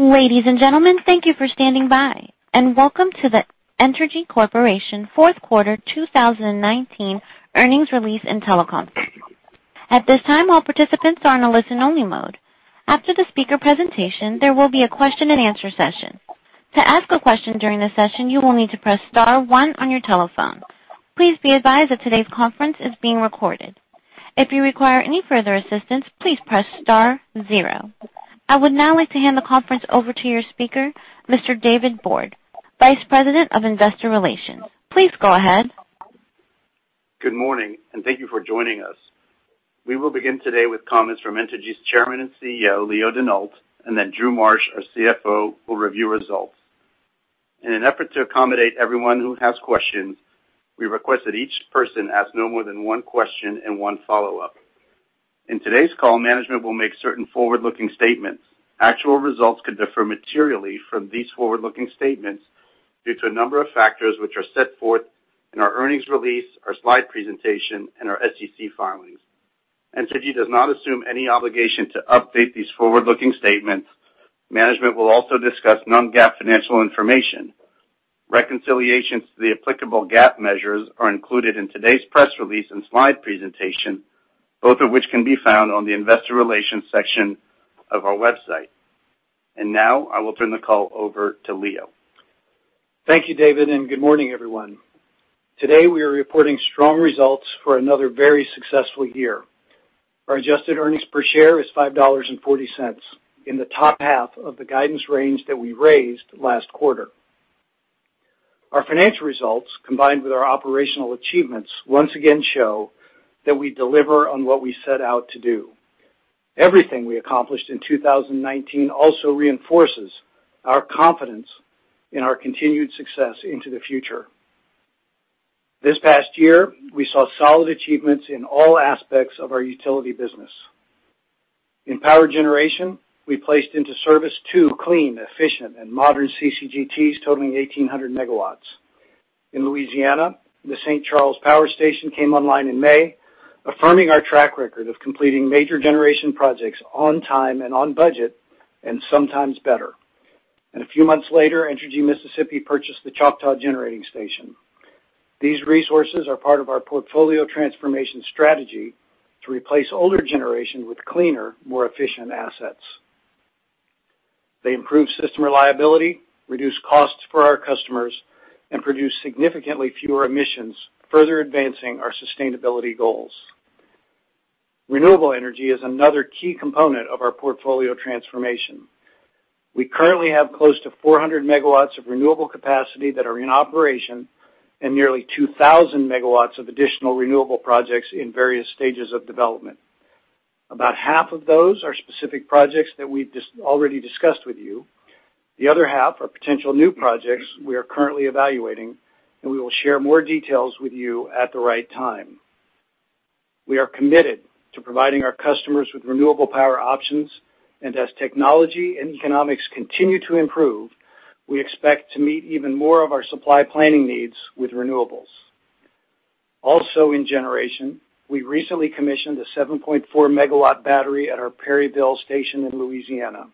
Ladies and gentlemen, thank you for standing by, and welcome to the Entergy Corporation Fourth Quarter 2019 Earnings Release and Teleconference. At this time, all participants are in a listen-only mode. After the speaker presentation, there will be a question and answer session. To ask a question during the session, you will need to press star one on your telephone. Please be advised that today's conference is being recorded. If you require any further assistance, please press star zero. I would now like to hand the conference over to your speaker, Mr. David Borde, Vice President of Investor Relations. Please go ahead. Good morning, and thank you for joining us. We will begin today with comments from Entergy's Chairman and CEO, Leo Denault, and then Drew Marsh, our CFO, will review results. In an effort to accommodate everyone who has questions, we request that each person ask no more than one question and one follow-up. In today's call, management will make certain forward-looking statements. Actual results could differ materially from these forward-looking statements due to a number of factors, which are set forth in our earnings release, our slide presentation, and our SEC filings. Entergy does not assume any obligation to update these forward-looking statements. Management will also discuss non-GAAP financial information. Reconciliations to the applicable GAAP measures are included in today's press release and slide presentation, both of which can be found on the investor relations section of our website. Now, I will turn the call over to Leo. Thank you, David, and good morning, everyone. Today, we are reporting strong results for another very successful year. Our adjusted earnings per share is $5.40, in the top half of the guidance range that we raised last quarter. Our financial results, combined with our operational achievements, once again show that we deliver on what we set out to do. Everything we accomplished in 2019 also reinforces our confidence in our continued success into the future. This past year, we saw solid achievements in all aspects of our utility business. In power generation, we placed into service two clean, efficient, and modern CCGTs totaling 1,800 MW. In Louisiana, the St. Charles Power Station came online in May, affirming our track record of completing major generation projects on time and on budget, and sometimes better. A few months later, Entergy Mississippi purchased the Choctaw Generating Station. These resources are part of our portfolio transformation strategy to replace older generation with cleaner, more efficient assets. They improve system reliability, reduce costs for our customers, and produce significantly fewer emissions, further advancing our sustainability goals. Renewable energy is another key component of our portfolio transformation. We currently have close to 400 MW of renewable capacity that are in operation and nearly 2,000 MW of additional renewable projects in various stages of development. About half of those are specific projects that we've already discussed with you. The other half are potential new projects we are currently evaluating, and we will share more details with you at the right time. We are committed to providing our customers with renewable power options, and as technology and economics continue to improve, we expect to meet even more of our supply planning needs with renewables. In generation, we recently commissioned a 7.4-megawatt battery at our Perryville station in Louisiana.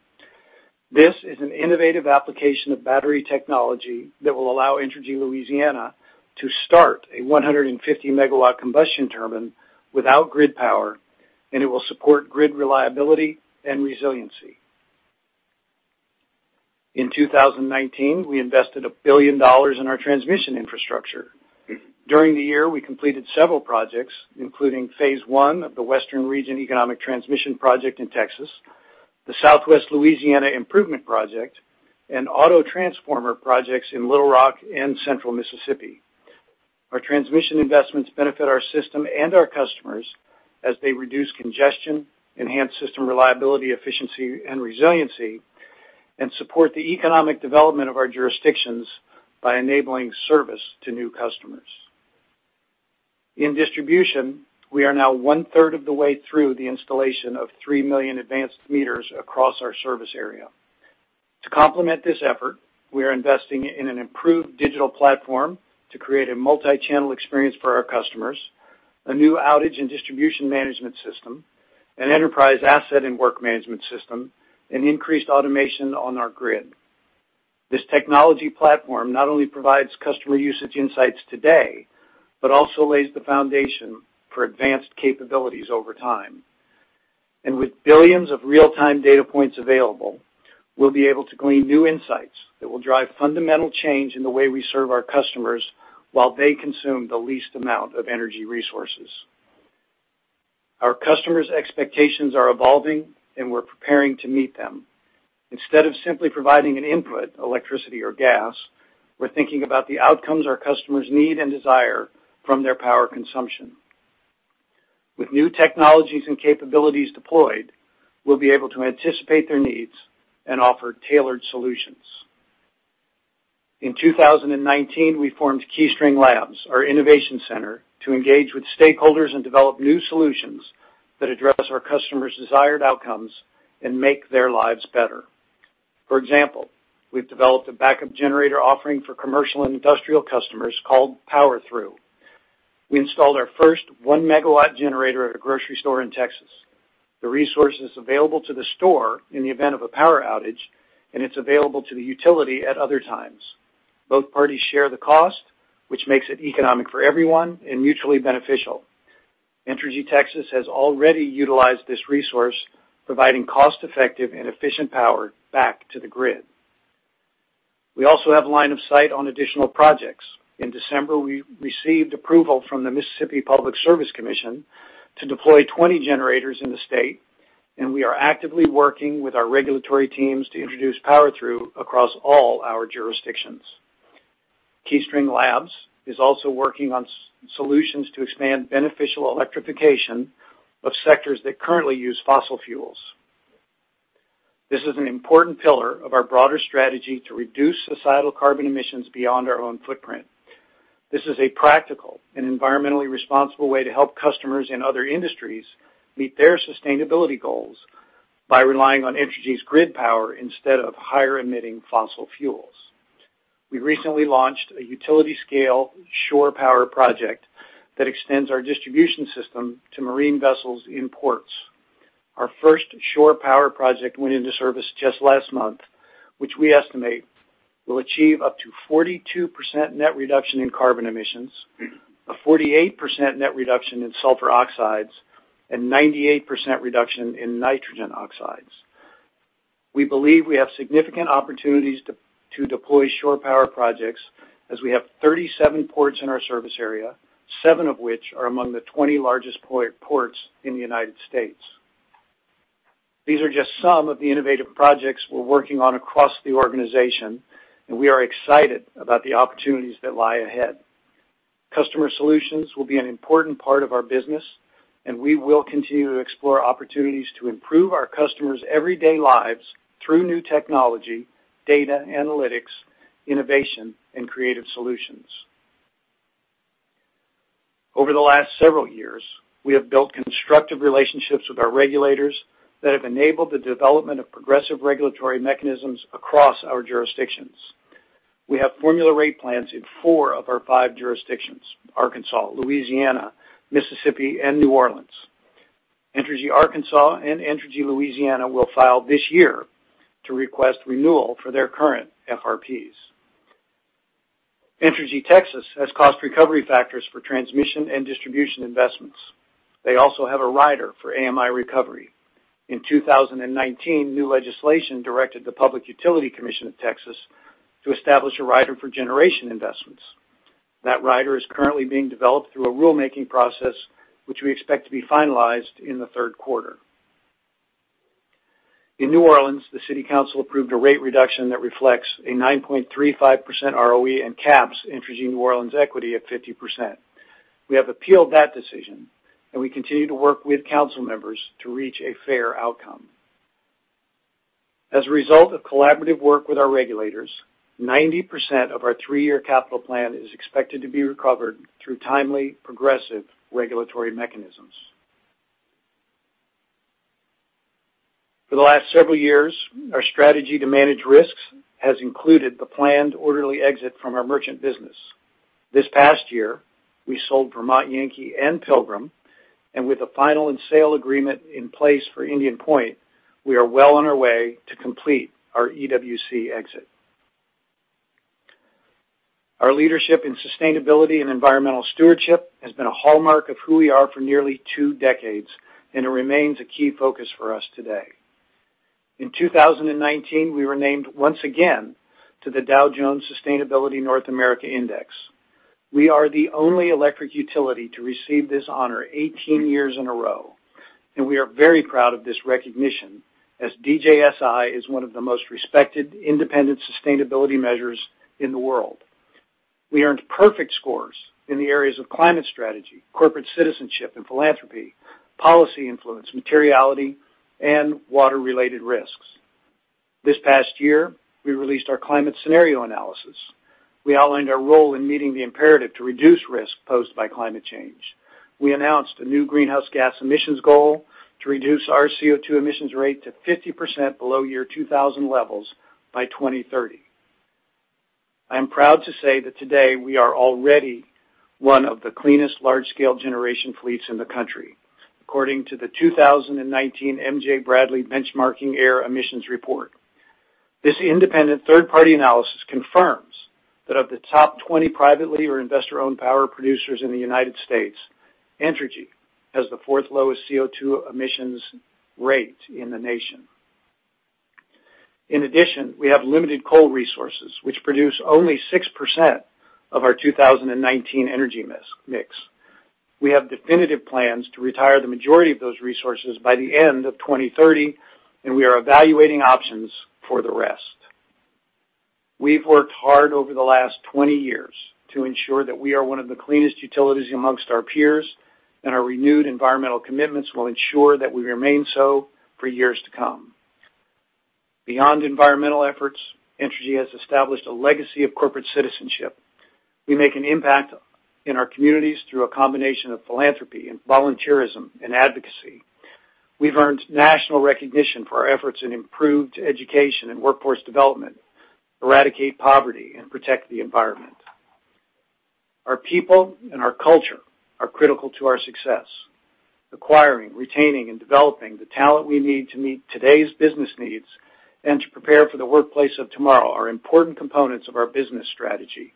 This is an innovative application of battery technology that will allow Entergy Louisiana to start a 150-megawatt combustion turbine without grid power, and it will support grid reliability and resiliency. In 2019, we invested $1 billion in our transmission infrastructure. During the year, we completed several projects, including phase I of the Western Region Economic Transmission project in Texas, the Southwest Louisiana Transmission Infrastructure Upgrade, and auto transformer projects in Little Rock and central Mississippi. Our transmission investments benefit our system and our customers as they reduce congestion, enhance system reliability, efficiency, and resiliency, and support the economic development of our jurisdictions by enabling service to new customers. In distribution, we are now one-third of the way through the installation of 3 million advanced meters across our service area. To complement this effort, we are investing in an improved digital platform to create a multi-channel experience for our customers, a new outage and distribution management system, an enterprise asset and work management system, and increased automation on our grid. This technology platform not only provides customer usage insights today, but also lays the foundation for advanced capabilities over time. With billions of real-time data points available, we'll be able to glean new insights that will drive fundamental change in the way we serve our customers while they consume the least amount of energy resources. Our customers' expectations are evolving, and we're preparing to meet them. Instead of simply providing an input, electricity or gas, we're thinking about the outcomes our customers need and desire from their power consumption. With new technologies and capabilities deployed, we'll be able to anticipate their needs and offer tailored solutions. In 2019, we formed KeyString Labs, our innovation center, to engage with stakeholders and develop new solutions that address our customers' desired outcomes and make their lives better. For example, we've developed a backup generator offering for commercial and industrial customers called PowerThru. We installed our first 1 MW generator at a grocery store in Texas. The resource is available to the store in the event of a power outage, and it's available to the utility at other times. Both parties share the cost, which makes it economic for everyone and mutually beneficial. Entergy Texas has already utilized this resource, providing cost-effective and efficient power back to the grid. We also have line of sight on additional projects. In December, we received approval from the Mississippi Public Service Commission to deploy 20 generators in the state, and we are actively working with our regulatory teams to introduce PowerThru across all our jurisdictions. KeyString Labs is also working on solutions to expand beneficial electrification of sectors that currently use fossil fuels. This is an important pillar of our broader strategy to reduce societal carbon emissions beyond our own footprint. This is a practical and environmentally responsible way to help customers in other industries meet their sustainability goals by relying on Entergy's grid power instead of higher-emitting fossil fuels. We recently launched a utility-scale shore power project that extends our distribution system to marine vessels in ports. Our first shore power project went into service just last month, which we estimate will achieve up to 42% net reduction in carbon emissions, a 48% net reduction in sulfur oxides, and 98% reduction in nitrogen oxides. We believe we have significant opportunities to deploy shore power projects as we have 37 ports in our service area, seven of which are among the 20 largest ports in the United States. These are just some of the innovative projects we're working on across the organization, and we are excited about the opportunities that lie ahead. Customer solutions will be an important part of our business, and we will continue to explore opportunities to improve our customers' everyday lives through new technology, data analytics, innovation, and creative solutions. Over the last several years, we have built constructive relationships with our regulators that have enabled the development of progressive regulatory mechanisms across our jurisdictions. We have formula rate plans in four of our five jurisdictions, Arkansas, Louisiana, Mississippi, and New Orleans. Entergy Arkansas and Entergy Louisiana will file this year to request renewal for their current FRPs. Entergy Texas has cost recovery factors for transmission and distribution investments. They also have a rider for AMI recovery. In 2019, new legislation directed the Public Utility Commission of Texas to establish a rider for generation investments. That rider is currently being developed through a rulemaking process, which we expect to be finalized in the third quarter. In New Orleans, the city council approved a rate reduction that reflects a 9.35% ROE and caps Entergy New Orleans equity at 50%. We have appealed that decision, and we continue to work with council members to reach a fair outcome. As a result of collaborative work with our regulators, 90% of our three-year capital plan is expected to be recovered through timely, progressive regulatory mechanisms. For the last several years, our strategy to manage risks has included the planned, orderly exit from our merchant business. This past year, we sold Vermont Yankee and Pilgrim, with a final sale agreement in place for Indian Point, we are well on our way to complete our EWC exit. Our leadership in sustainability and environmental stewardship has been a hallmark of who we are for nearly two decades, it remains a key focus for us today. In 2019, we were named once again to the Dow Jones Sustainability North America Index. We are the only electric utility to receive this honor 18 years in a row, we are very proud of this recognition, as DJSI is one of the most respected, independent sustainability measures in the world. We earned perfect scores in the areas of climate strategy, corporate citizenship and philanthropy, policy influence, materiality, and water-related risks. This past year, we released our climate scenario analysis. We outlined our role in meeting the imperative to reduce risk posed by climate change. We announced a new greenhouse gas emissions goal to reduce our CO2 emissions rate to 50% below year 2000 levels by 2030. I am proud to say that today, we are already one of the cleanest large-scale generation fleets in the country, according to the 2019 M.J. Bradley Benchmarking Air Emissions Report. This independent third-party analysis confirms that of the top 20 privately or investor-owned power producers in the United States, Entergy has the fourth lowest CO2 emissions rate in the nation. In addition, we have limited coal resources, which produce only 6% of our 2019 energy mix. We have definitive plans to retire the majority of those resources by the end of 2030, and we are evaluating options for the rest. We've worked hard over the last 20 years to ensure that we are one of the cleanest utilities amongst our peers, and our renewed environmental commitments will ensure that we remain so for years to come. Beyond environmental efforts, Entergy has established a legacy of corporate citizenship. We make an impact in our communities through a combination of philanthropy and volunteerism and advocacy. We've earned national recognition for our efforts in improved education and workforce development, eradicate poverty, and protect the environment. Our people and our culture are critical to our success. Acquiring, retaining, and developing the talent we need to meet today's business needs and to prepare for the workplace of tomorrow are important components of our business strategy.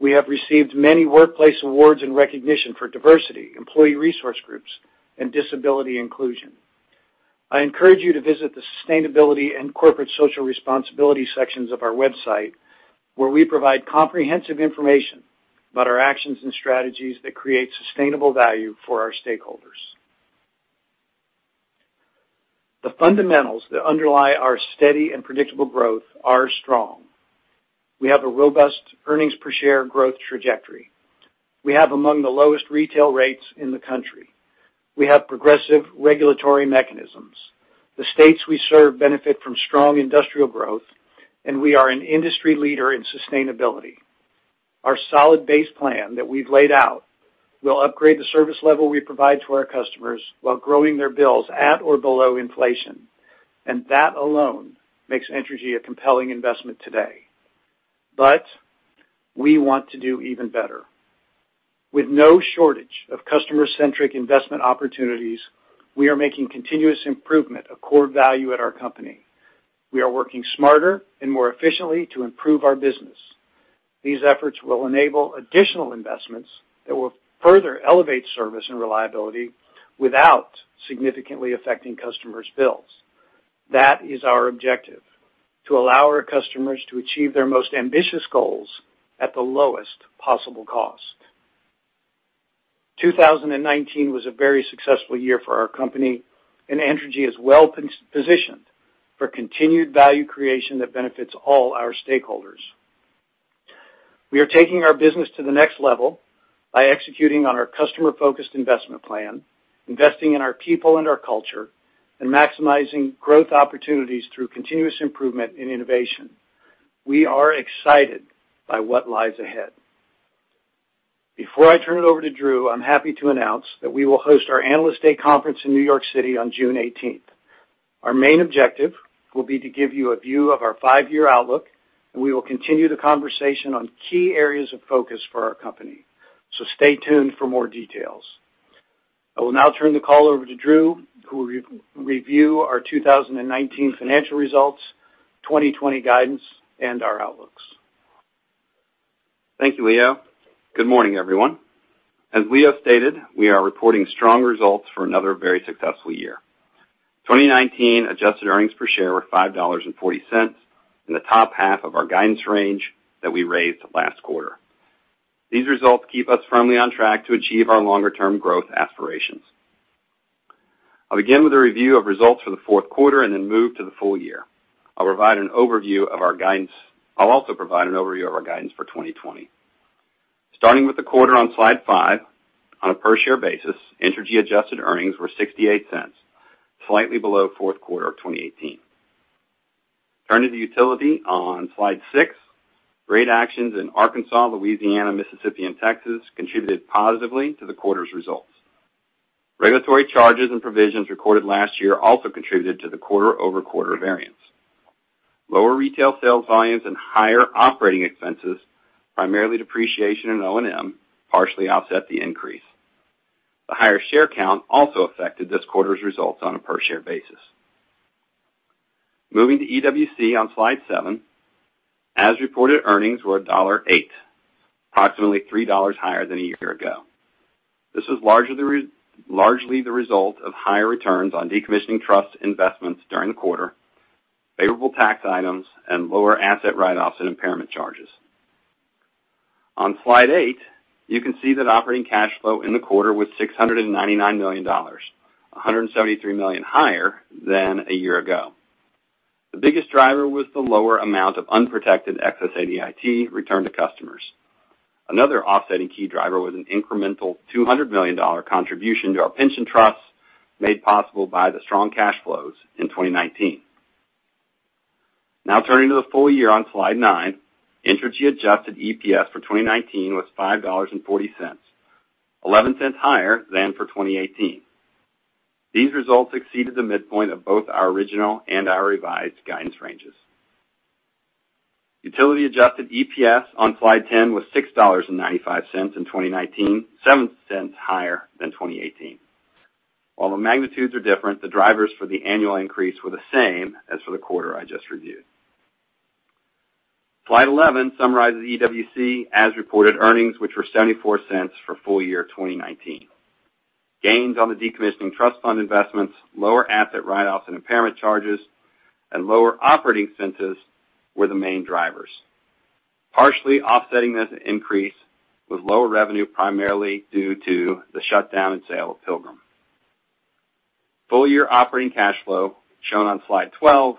We have received many workplace awards and recognition for diversity, employee resource groups, and disability inclusion. I encourage you to visit the sustainability and corporate social responsibility sections of our website, where we provide comprehensive information about our actions and strategies that create sustainable value for our stakeholders. The fundamentals that underlie our steady and predictable growth are strong. We have a robust earnings per share growth trajectory. We have among the lowest retail rates in the country. We have progressive regulatory mechanisms. The states we serve benefit from strong industrial growth, and we are an industry leader in sustainability. Our solid base plan that we've laid out will upgrade the service level we provide to our customers while growing their bills at or below inflation, and that alone makes Entergy a compelling investment today. We want to do even better. With no shortage of customer-centric investment opportunities, we are making continuous improvement a core value at our company. We are working smarter and more efficiently to improve our business. These efforts will enable additional investments that will further elevate service and reliability without significantly affecting customers' bills. That is our objective: to allow our customers to achieve their most ambitious goals at the lowest possible cost. 2019 was a very successful year for our company, and Entergy is well-positioned for continued value creation that benefits all our stakeholders. We are taking our business to the next level by executing on our customer-focused investment plan, investing in our people and our culture, and maximizing growth opportunities through continuous improvement in innovation. We are excited by what lies ahead. Before I turn it over to Drew, I'm happy to announce that we will host our Analyst Day conference in New York City on June 18th. Our main objective will be to give you a view of our five-year outlook, and we will continue the conversation on key areas of focus for our company. Stay tuned for more details. I will now turn the call over to Drew, who will review our 2019 financial results, 2020 guidance, and our outlooks. Thank you, Leo. Good morning, everyone. As Leo stated, we are reporting strong results for another very successful year. 2019 adjusted earnings per share were $5.40 in the top half of our guidance range that we raised last quarter. These results keep us firmly on track to achieve our longer-term growth aspirations. I'll begin with a review of results for the fourth quarter and then move to the full year. I'll also provide an overview of our guidance for 2020. Starting with the quarter on slide five, on a per-share basis, Entergy adjusted earnings were $0.68, slightly below fourth quarter of 2018. Turning to Utility on slide six, rate actions in Arkansas, Louisiana, Mississippi, and Texas contributed positively to the quarter's results. Regulatory charges and provisions recorded last year also contributed to the quarter-over-quarter variance. Lower retail sales volumes and higher operating expenses, primarily depreciation in O&M, partially offset the increase. The higher share count also affected this quarter's results on a per-share basis. Moving to EWC on slide seven, as-reported earnings were $1.08, approximately $3 higher than a year ago. This was largely the result of higher returns on decommissioning trust investments during the quarter, favorable tax items, and lower asset write-offs and impairment charges. On slide eight, you can see that operating cash flow in the quarter was $699 million, $173 million higher than a year ago. The biggest driver was the lower amount of unprotected excess ADIT returned to customers. Another offsetting key driver was an incremental $200 million contribution to our pension trusts, made possible by the strong cash flows in 2019. Now turning to the full year on slide nine, Entergy adjusted EPS for 2019 was $5.40, $0.11 higher than for 2018. These results exceeded the midpoint of both our original and our revised guidance ranges. Utility adjusted EPS on slide 10 was $6.95 in 2019, $0.07 higher than 2018. While the magnitudes are different, the drivers for the annual increase were the same as for the quarter I just reviewed. Slide 11 summarizes EWC as-reported earnings, which were $0.74 for full year 2019. Gains on the decommissioning trust fund investments, lower asset write-offs and impairment charges, and lower operating expenses were the main drivers. Partially offsetting this increase was lower revenue, primarily due to the shutdown and sale of Pilgrim. Full year operating cash flow, shown on slide 12,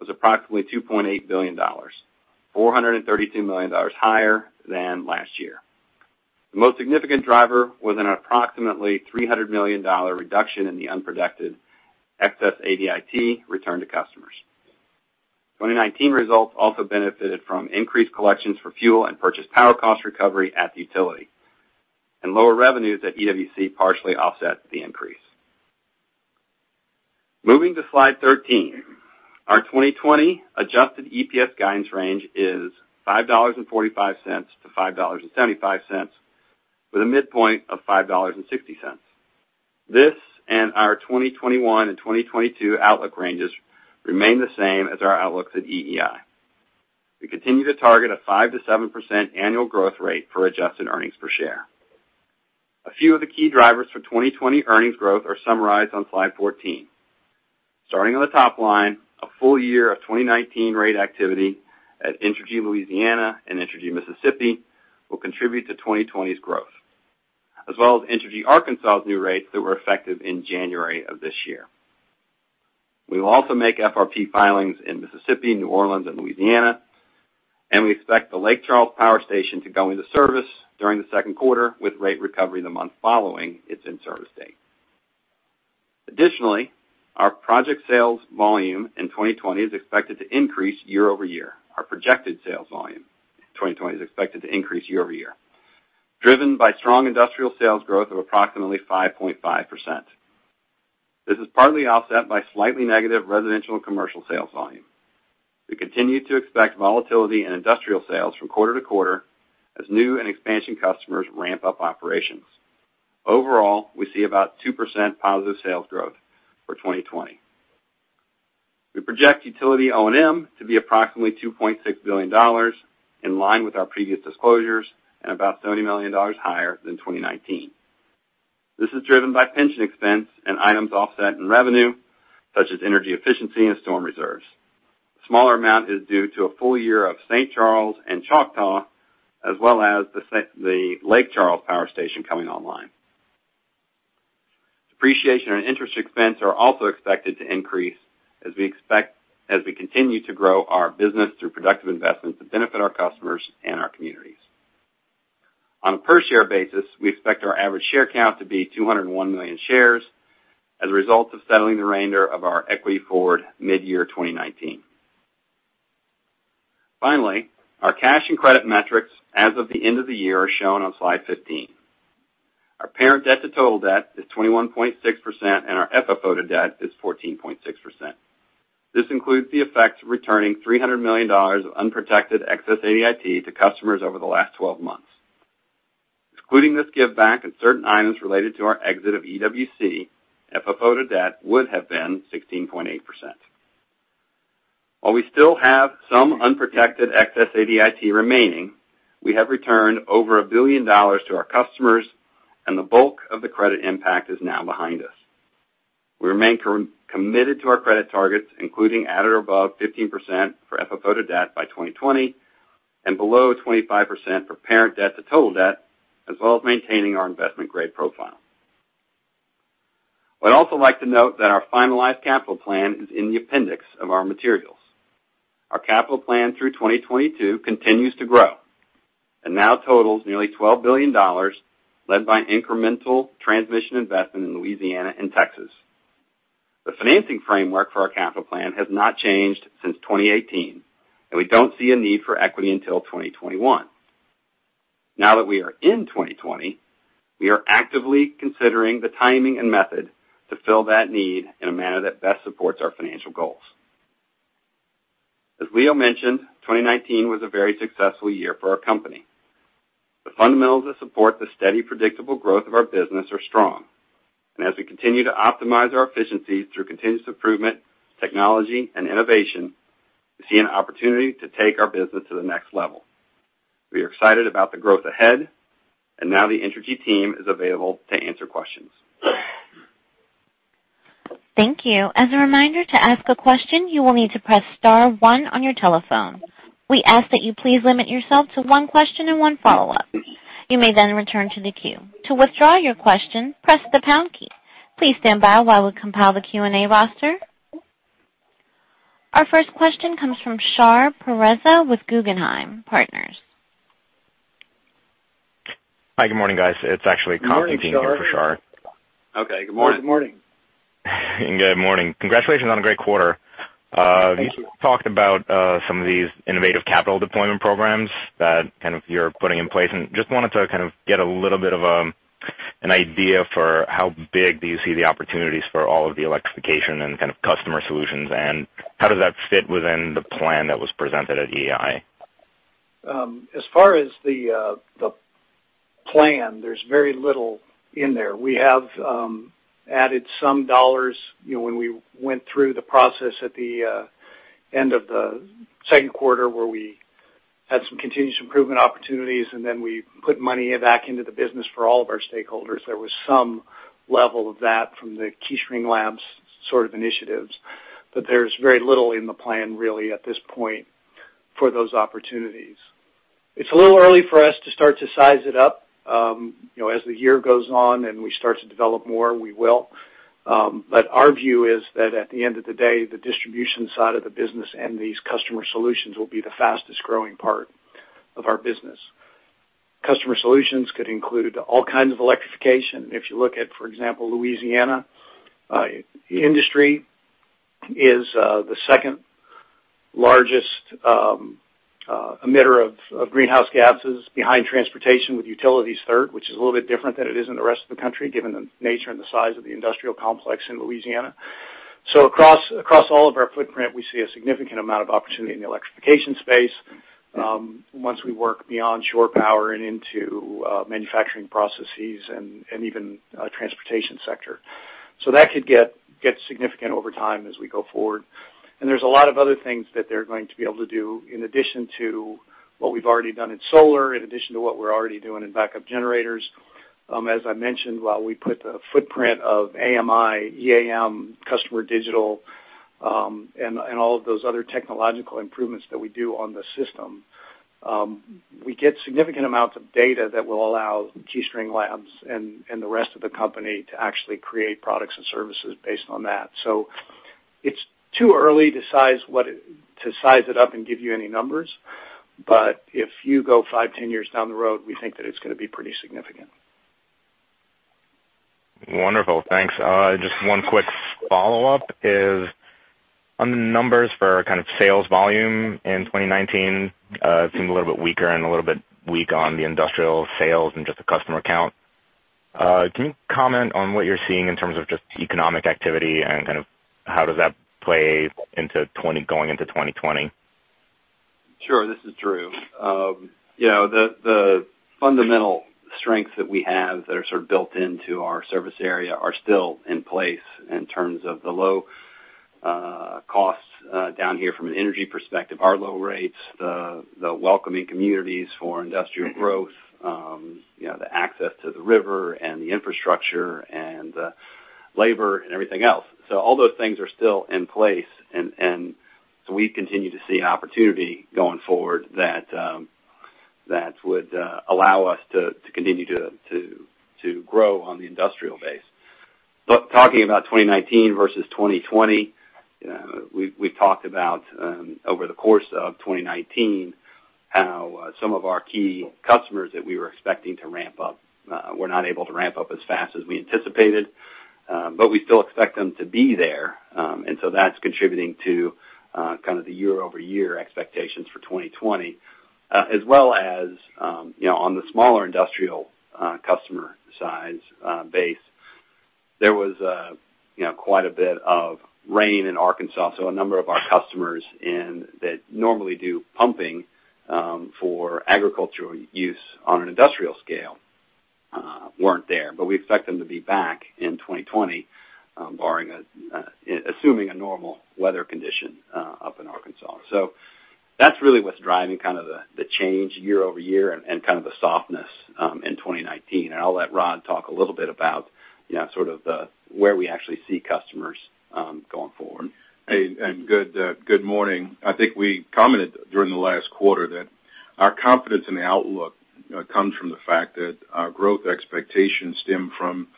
was approximately $2.8 billion, $432 million higher than last year. The most significant driver was an approximately $300 million reduction in the unprotected excess ADIT returned to customers. 2019 results also benefited from increased collections for fuel and purchase power cost recovery at the utility, and lower revenues at EWC partially offset the increase. Moving to slide 13, our 2020 adjusted EPS guidance range is $5.45-$5.75 with a midpoint of $5.60. This and our 2021 and 2022 outlook ranges remain the same as our outlooks at EEI. We continue to target a 5%-7% annual growth rate for adjusted earnings per share. A few of the key drivers for 2020 earnings growth are summarized on slide 14. Starting on the top line, a full year of 2019 rate activity at Entergy Louisiana and Entergy Mississippi will contribute to 2020's growth, as well as Entergy Arkansas' new rates that were effective in January of this year. We will also make FRP filings in Mississippi, New Orleans, and Louisiana, and we expect the Lake Charles Power Station to go into service during the second quarter with rate recovery the month following its in-service date. Our project sales volume in 2020 is expected to increase year-over-year. Our projected sales volume in 2020 is expected to increase year-over-year, driven by strong industrial sales growth of approximately 5.5%. This is partly offset by slightly negative residential and commercial sales volume. We continue to expect volatility in industrial sales from quarter-to-quarter as new and expansion customers ramp up operations. We see about 2% positive sales growth for 2020. We project utility O&M to be approximately $2.6 billion, in line with our previous disclosures and about $70 million higher than 2019. This is driven by pension expense and items offset in revenue such as energy efficiency and storm reserves. A smaller amount is due to a full year of St. Charles and Choctaw, as well as the Lake Charles Power Station coming online. Depreciation and interest expense are also expected to increase as we continue to grow our business through productive investments that benefit our customers and our communities. On a per-share basis, we expect our average share count to be 201 million shares as a result of settling the remainder of our equity forward mid-year 2019. Finally, our cash and credit metrics as of the end of the year are shown on slide 15. Our parent debt to total debt is 21.6%, and our FFO to debt is 14.6%. This includes the effect of returning $300 million of unprotected excess ADIT to customers over the last 12 months. Excluding this give back and certain items related to our exit of EWC, FFO to debt would have been 16.8%. While we still have some unprotected excess ADIT remaining, we have returned over $1 billion to our customers, and the bulk of the credit impact is now behind us. We remain committed to our credit targets, including at or above 15% for FFO to debt by 2020 and below 25% for parent debt to total debt, as well as maintaining our investment-grade profile. I'd also like to note that our finalized capital plan is in the appendix of our materials. Our capital plan through 2022 continues to grow and now totals nearly $12 billion, led by incremental transmission investment in Louisiana and Texas. The financing framework for our capital plan has not changed since 2018. We don't see a need for equity until 2021. Now that we are in 2020, we are actively considering the timing and method to fill that need in a manner that best supports our financial goals. As Leo mentioned, 2019 was a very successful year for our company. The fundamentals that support the steady, predictable growth of our business are strong, and as we continue to optimize our efficiency through continuous improvement, technology and innovation, we see an opportunity to take our business to the next level. We are excited about the growth ahead, and now the Entergy team is available to answer questions. Thank you. As a reminder, to ask a question, you will need to press star one on your telephone. We ask that you please limit yourself to one question and one follow-up. You may then return to the queue. To withdraw your question, press the pound key. Please stand by while we compile the Q&A roster. Our first question comes from Shar Pourreza with Guggenheim Partners. Hi, good morning, guys. It's actually Kaufman here for Shar. Morning, Shar. Okay, good morning. Good morning. Good morning. Congratulations on a great quarter. Thank you. You talked about some of these innovative capital deployment programs that you're putting in place and just wanted to kind of get a little bit of an idea for how big do you see the opportunities for all of the electrification and kind of customer solutions, and how does that fit within the plan that was presented at EEI? As far as the plan, there's very little in there. We have added some dollars when we went through the process at the end of the second quarter where we had some continuous improvement opportunities, and then we put money back into the business for all of our stakeholders. There was some level of that from the KeyString Labs sort of initiatives, but there's very little in the plan really at this point for those opportunities. It's a little early for us to start to size it up. As the year goes on and we start to develop more, we will. Our view is that at the end of the day, the distribution side of the business and these customer solutions will be the fastest-growing part of our business. Customer solutions could include all kinds of electrification. If you look at, for example, Louisiana, industry is the second largest emitter of greenhouse gases behind transportation, with utilities third, which is a little bit different than it is in the rest of the country, given the nature and the size of the industrial complex in Louisiana. Across all of our footprint, we see a significant amount of opportunity in the electrification space once we work beyond shore power and into manufacturing processes and even transportation sector. That could get significant over time as we go forward. There's a lot of other things that they're going to be able to do in addition to what we've already done in solar, in addition to what we're already doing in backup generators. As I mentioned, while we put the footprint of AMI, EAM, customer digital, and all of those other technological improvements that we do on the system, we get significant amounts of data that will allow KeyString Labs and the rest of the company to actually create products and services based on that. It's too early to size it up and give you any numbers, but if you go five, 10 years down the road, we think that it's going to be pretty significant. Wonderful. Thanks. Just one quick follow-up is on the numbers for kind of sales volume in 2019 seemed a little bit weaker and a little bit weak on the industrial sales and just the customer count. Can you comment on what you're seeing in terms of just economic activity and kind of how does that play going into 2020? Sure. This is Drew. The fundamental strengths that we have that are sort of built into our service area are still in place in terms of the low costs down here from an energy perspective, our low rates, the welcoming communities for industrial growth, the access to the river and the infrastructure and the labor and everything else. All those things are still in place, and so we continue to see an opportunity going forward that would allow us to continue to grow on the industrial base. Talking about 2019 versus 2020, we've talked about over the course of 2019 how some of our key customers that we were expecting to ramp up were not able to ramp up as fast as we anticipated. We still expect them to be there. That's contributing to kind of the year-over-year expectations for 2020. As well as on the smaller industrial customer size base, there was quite a bit of rain in Arkansas, so a number of our customers that normally do pumping for agricultural use on an industrial scale weren't there. We expect them to be back in 2020, assuming a normal weather condition up in Arkansas. That's really what's driving kind of the change year-over-year and kind of the softness in 2019. I'll let Rod talk a little bit about sort of where we actually see customers going forward. Good morning. I think I commented during the last quarter that our confidence in the outlook comes from the fact that our growth expectations stem from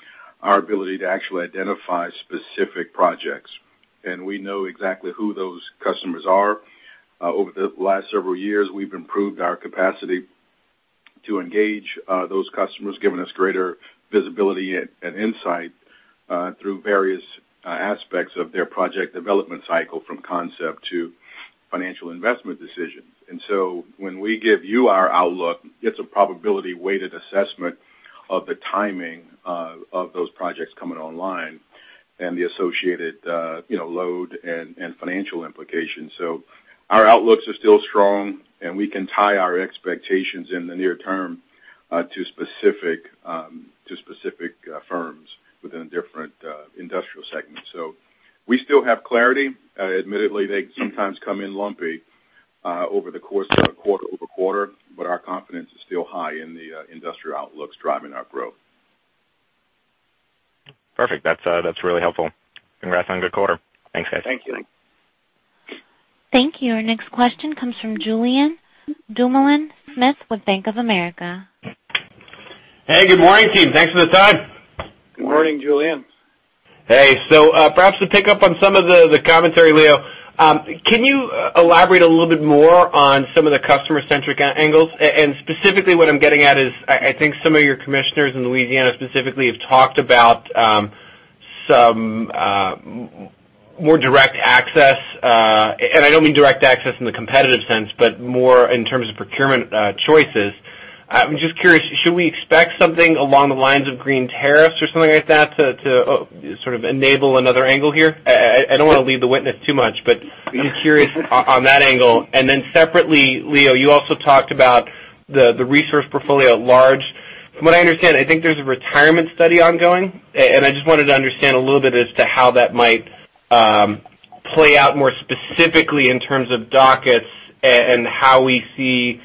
our ability to actually identify specific projects, and we know exactly who those customers are. Over the last several years, we've improved our capacity to engage those customers, giving us greater visibility and insight through various aspects of their project development cycle, from concept to financial investment decisions. When we give you our outlook, it's a probability-weighted assessment of the timing of those projects coming online and the associated load and financial implications. Our outlooks are still strong, and we can tie our expectations in the near term to specific firms within different industrial segments. We still have clarity. Admittedly, they sometimes come in lumpy over the course of quarter-over-quarter, but our confidence is still high in the industrial outlooks driving our growth. Perfect. That's really helpful. Congrats on a good quarter. Thanks, guys. Thank you. Thanks. Thank you. Our next question comes from Julien Dumoulin-Smith with Bank of America. Hey, good morning, team. Thanks for the time. Good morning. Good morning, Julien. Hey. Perhaps to pick up on some of the commentary, Leo, can you elaborate a little bit more on some of the customer-centric angles? Specifically what I'm getting at is, I think some of your commissioners in Louisiana specifically have talked about some more direct access. I don't mean direct access in the competitive sense, but more in terms of procurement choices. I'm just curious, should we expect something along the lines of green tariffs or something like that to sort of enable another angle here? I don't want to lead the witness too much, but I'm just curious on that angle. Separately, Leo, you also talked about the resource portfolio at large. From what I understand, I think there's a retirement study ongoing. I just wanted to understand a little bit as to how that might play out more specifically in terms of dockets and how we see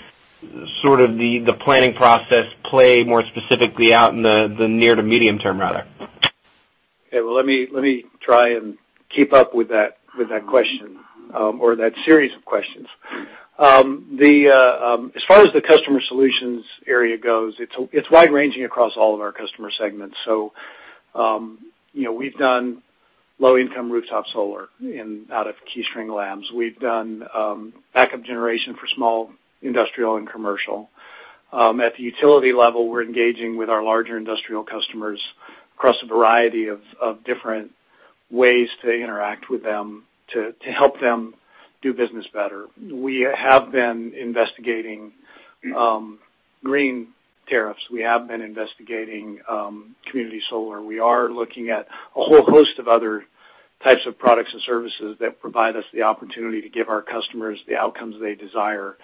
sort of the planning process play more specifically out in the near to medium-term rather. Okay. Well, let me try and keep up with that question or that series of questions. As far as the customer solutions area goes, it's wide-ranging across all of our customer segments. We've done low-income rooftop solar out of KeyString Labs. We've done backup generation for small industrial and commercial. At the utility level, we're engaging with our larger industrial customers across a variety of different ways to interact with them to help them do business better. We have been investigating green tariffs. We have been investigating community solar. We are looking at a whole host of other types of products and services that provide us the opportunity to give our customers the outcomes they desire.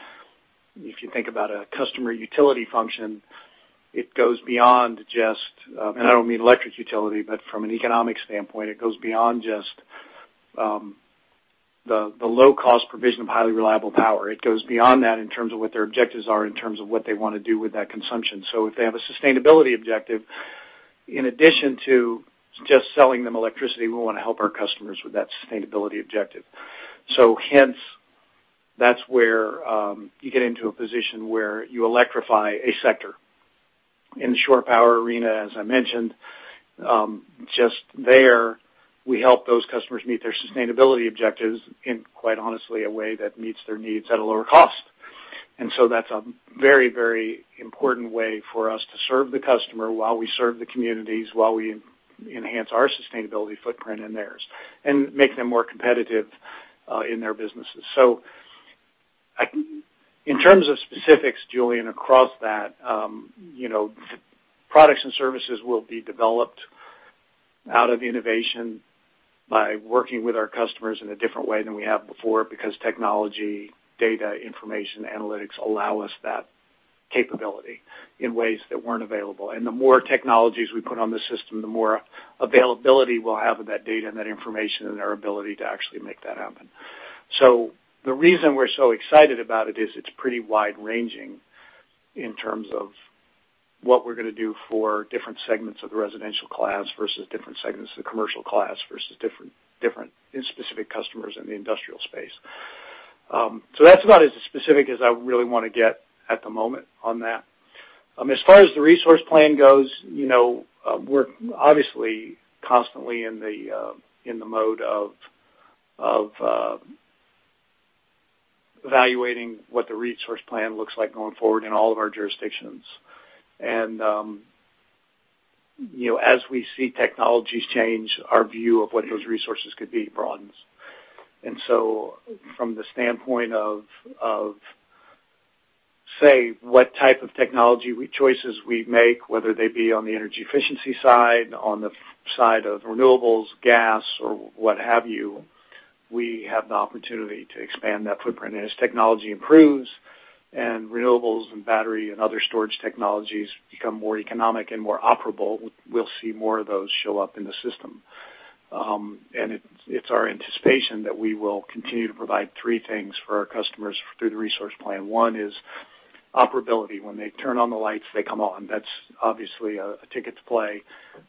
If you think about a customer utility function, it goes beyond just, and I don't mean electric utility, but from an economic standpoint, it goes beyond just the low-cost provision of highly reliable power. It goes beyond that in terms of what their objectives are, in terms of what they want to do with that consumption. If they have a sustainability objective, in addition to just selling them electricity, we want to help our customers with that sustainability objective. Hence, that's where you get into a position where you electrify a sector. In the shore power arena, as I mentioned, just there, we help those customers meet their sustainability objectives in, quite honestly, a way that meets their needs at a lower cost. That's a very important way for us to serve the customer while we serve the communities, while we enhance our sustainability footprint and theirs, and make them more competitive in their businesses. In terms of specifics, Julien, across that, products and services will be developed out of innovation by working with our customers in a different way than we have before because technology, data, information, analytics allow us that capability in ways that weren't available. The more technologies we put on the system, the more availability we'll have of that data and that information and our ability to actually make that happen. The reason we're so excited about it is it's pretty wide-ranging in terms of what we're going to do for different segments of the residential class versus different segments of the commercial class versus different specific customers in the industrial space. That's about as specific as I really want to get at the moment on that. As far as the resource plan goes, we're obviously constantly in the mode of evaluating what the resource plan looks like going forward in all of our jurisdictions. As we see technologies change, our view of what those resources could be broadens. From the standpoint of, say, what type of technology choices we make, whether they be on the energy efficiency side, on the side of renewables, gas, or what have you, we have the opportunity to expand that footprint. As technology improves and renewables and battery and other storage technologies become more economic and more operable, we'll see more of those show up in the system. It's our anticipation that we will continue to provide three things for our customers through the resource plan. One is operability. When they turn on the lights, they come on. That's obviously a ticket to play.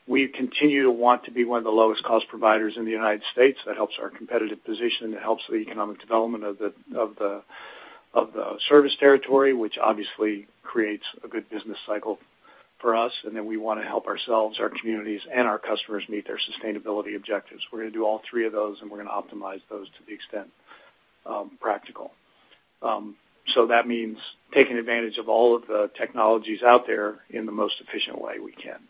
We continue to want to be one of the lowest cost providers in the U.S. That helps our competitive position. It helps the economic development of the service territory, which obviously creates a good business cycle for us. We want to help ourselves, our communities, and our customers meet their sustainability objectives. We're going to do all three of those, and we're going to optimize those to the extent practical. That means taking advantage of all of the technologies out there in the most efficient way we can.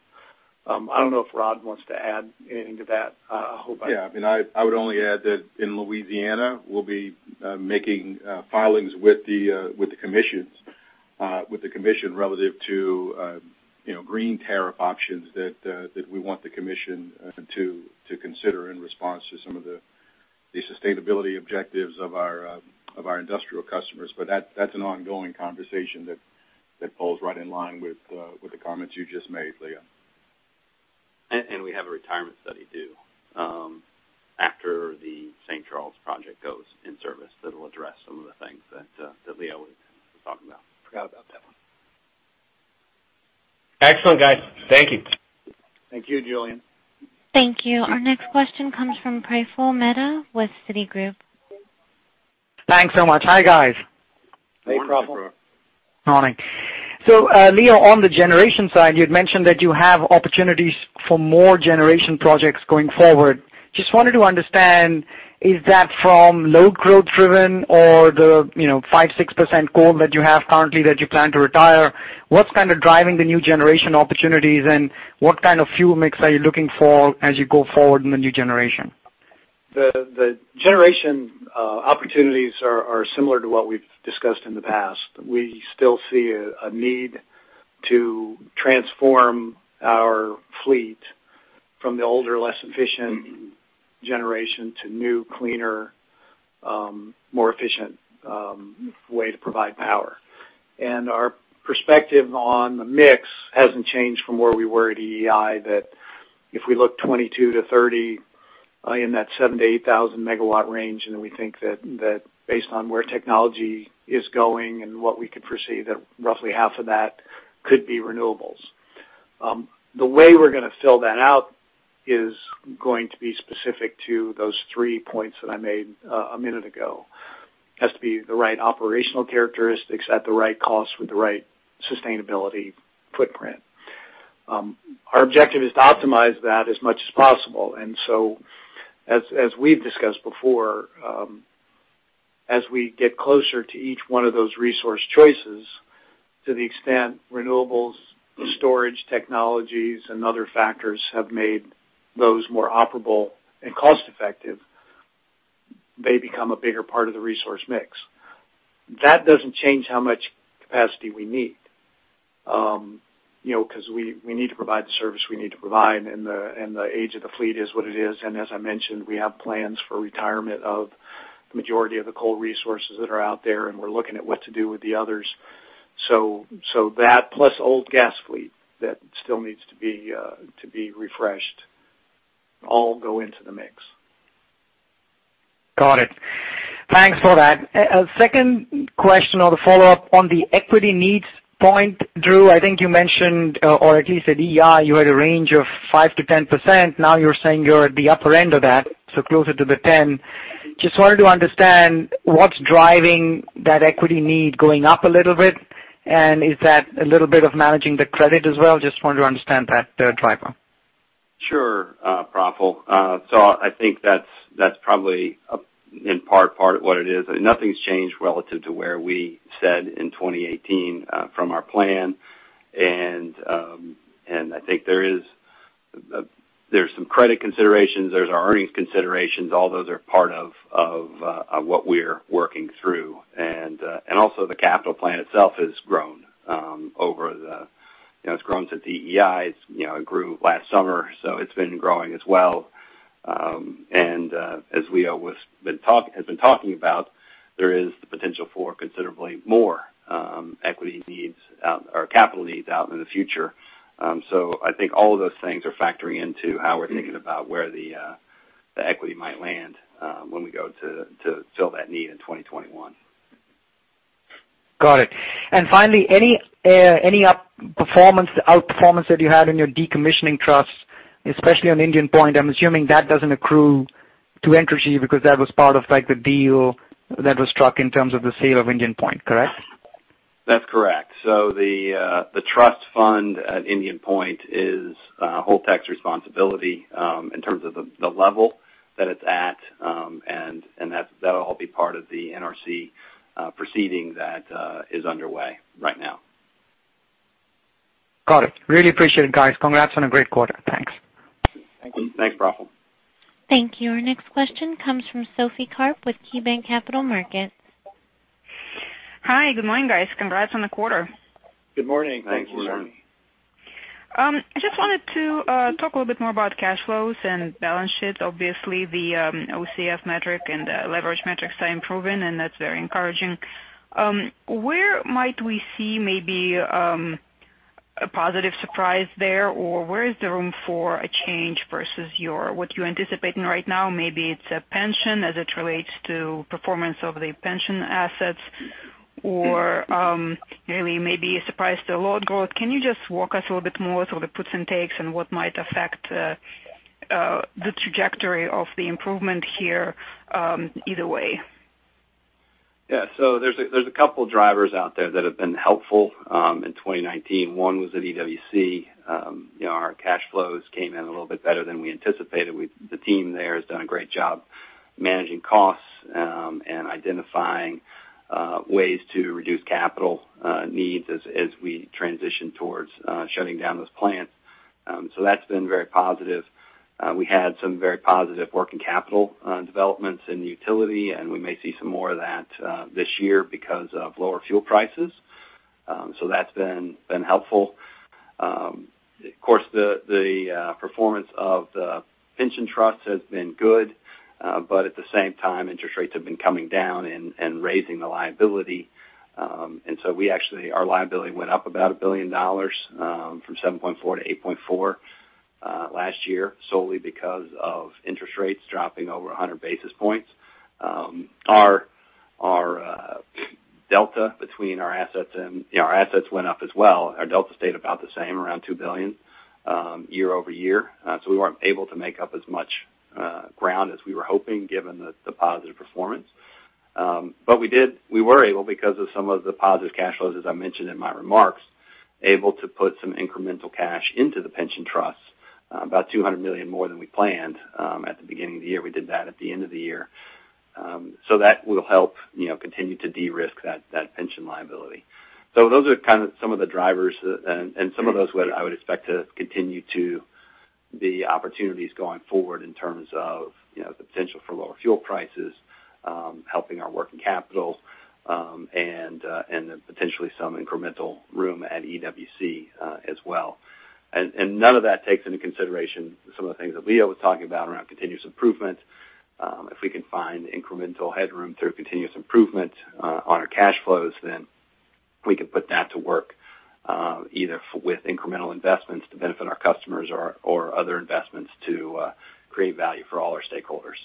I don't know if Rod wants to add anything to that. Yeah. I would only add that in Louisiana, we'll be making filings with the commission relative to green tariff options that we want the commission to consider in response to some of the sustainability objectives of our industrial customers. That's an ongoing conversation that falls right in line with the comments you just made, Leo. We have a retirement study due after the St. Charles project goes in service that'll address some of the things that Leo was talking about. Forgot about that one. Excellent, guys. Thank you. Thank you, Julien. Thank you. Our next question comes from Praful Mehta with Citigroup. Thanks so much. Hi, guys. Hey, Praful. Morning. Leo, on the generation side, you'd mentioned that you have opportunities for more generation projects going forward. Just wanted to understand, is that from load growth driven or the 5%-6% coal that you have currently that you plan to retire? What's kind of driving the new generation opportunities, and what kind of fuel mix are you looking for as you go forward in the new generation? The generation opportunities are similar to what we've discussed in the past. We still see a need to transform our fleet from the older, less efficient generation to new, cleaner, more efficient way to provide power. Our perspective on the mix hasn't changed from where we were at EEI, that if we look 2022 to 2030 in that 78,000 MW range, and then we think that based on where technology is going and what we could foresee, that roughly half of that could be renewables. The way we're going to fill that out is going to be specific to those three points that I made a minute ago. Has to be the right operational characteristics at the right cost with the right sustainability footprint. Our objective is to optimize that as much as possible. As we've discussed before, as we get closer to each one of those resource choices, to the extent renewables, storage technologies, and other factors have made those more operable and cost-effective, they become a bigger part of the resource mix. That doesn't change how much capacity we need, because we need to provide the service we need to provide and the age of the fleet is what it is. As I mentioned, we have plans for retirement of the majority of the coal resources that are out there, and we're looking at what to do with the others. That plus old gas fleet that still needs to be refreshed all go into the mix. Got it. Thanks for that. A second question on the follow-up on the equity needs point, Drew, I think you mentioned, or at least at EEI, you had a range of 5%-10%. Now you're saying you're at the upper end of that, so closer to the 10. Just wanted to understand what's driving that equity need going up a little bit, and is that a little bit of managing the credit as well? Just wanted to understand that driver. Sure, Praful. I think that's probably in part what it is. Nothing's changed relative to where we said in 2018 from our plan. I think there's some credit considerations, there's our earnings considerations. All those are part of what we're working through. Also the capital plan itself has grown. It's grown since EEI. It grew last summer, so it's been growing as well. As Leo has been talking about, there is the potential for considerably more equity needs out or capital needs out in the future. I think all of those things are factoring into how we're thinking about where the equity might land when we go to fill that need in 2021. Got it. Finally, any up-performance, out-performance that you had in your decommissioning trusts, especially on Indian Point, I'm assuming that doesn't accrue to Entergy because that was part of the deal that was struck in terms of the sale of Indian Point, correct? That's correct. The trust fund at Indian Point is Holtec's responsibility in terms of the level that it's at. That'll all be part of the NRC proceeding that is underway right now. Got it. Really appreciate it, guys. Congrats on a great quarter. Thanks. Thank you. Thanks, Praful. Thank you. Our next question comes from Sophie Karp with KeyBanc Capital Markets. Hi. Good morning, guys. Congrats on the quarter. Good morning. Thank you, Sophie. Good morning. I just wanted to talk a little bit more about cash flows and balance sheets. Obviously, the OCF metric and the leverage metrics are improving, and that's very encouraging. Where might we see maybe a positive surprise there? Where is the room for a change versus what you're anticipating right now? Maybe it's a pension as it relates to performance of the pension assets or really maybe a surprise to load growth. Can you just walk us a little bit more through the puts and takes and what might affect the trajectory of the improvement here, either way? Yeah. There's a couple of drivers out there that have been helpful in 2019. One was at EWC. Our cash flows came in a little bit better than we anticipated. The team there has done a great job managing costs and identifying ways to reduce capital needs as we transition towards shutting down those plants. That's been very positive. We had some very positive working capital developments in the utility, we may see some more of that this year because of lower fuel prices. That's been helpful. Of course, the performance of the pension trust has been good. At the same time, interest rates have been coming down and raising the liability. Our liability went up about $1 billion, from $7.4 to $8.4 last year, solely because of interest rates dropping over 100 basis points. Our delta between our assets went up as well. Our delta stayed about the same, around $2 billion year-over-year. We weren't able to make up as much ground as we were hoping given the positive performance. We were able, because of some of the positive cash flows, as I mentioned in my remarks, able to put some incremental cash into the pension trust, about $200 million more than we planned at the beginning of the year. We did that at the end of the year. That will help continue to de-risk that pension liability. Those are kind of some of the drivers and some of those I would expect to continue to be opportunities going forward in terms of the potential for lower fuel prices, helping our working capital, and then potentially some incremental room at EWC as well. None of that takes into consideration some of the things that Leo was talking about around continuous improvement. If we can find incremental headroom through continuous improvement on our cash flows, we can put that to work either with incremental investments to benefit our customers or other investments to create value for all our stakeholders.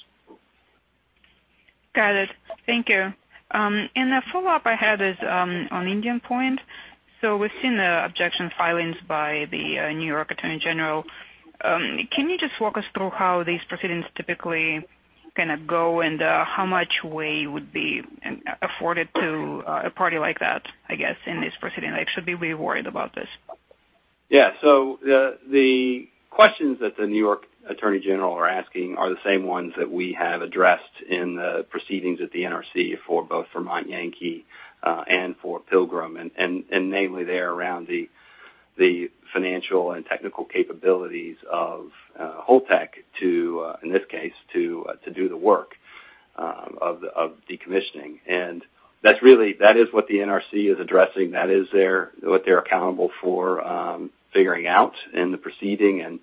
Got it. Thank you. A follow-up I had is on Indian Point. We've seen the objection filings by the New York Attorney General. Can you just walk us through how these proceedings typically kind of go and how much weight would be afforded to a party like that, I guess, in this proceeding? Should we be worried about this? Yeah. The questions that the New York Attorney General are asking are the same ones that we have addressed in the proceedings at the NRC for both Vermont Yankee and for Pilgrim, and namely, they're around the financial and technical capabilities of Holtec, in this case, to do the work of decommissioning. That is what the NRC is addressing. That is what they're accountable for figuring out in the proceeding.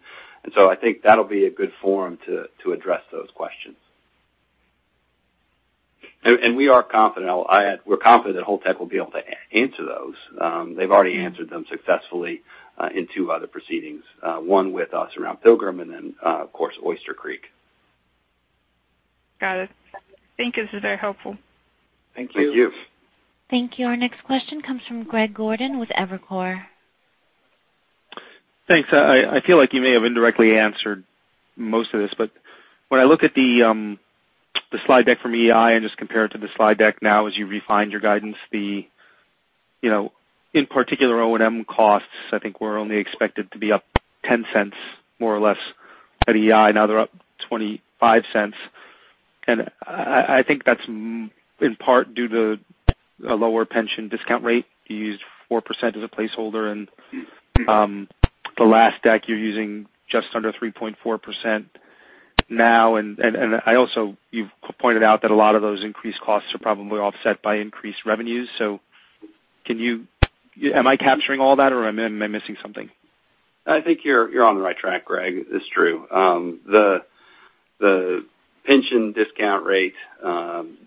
I think that'll be a good forum to address those questions. We're confident that Holtec will be able to answer those. They've already answered them successfully in two other proceedings, one with us around Pilgrim, and then, of course, Oyster Creek. Got it. Thank you. This is very helpful. Thank you. Thank you. Thank you. Our next question comes from Greg Gordon with Evercore. Thanks. I feel like you may have indirectly answered most of this. When I look at the slide deck from EEI and just compare it to the slide deck now as you refined your guidance, in particular O&M costs, I think were only expected to be up $0.10 more or less at EEI. Now they're up $0.25. I think that's in part due to a lower pension discount rate. You used 4% as a placeholder. The last deck you're using just under 3.4% now. Also, you've pointed out that a lot of those increased costs are probably offset by increased revenues. Am I capturing all that or am I missing something? I think you're on the right track, Greg. It's true. The pension discount rate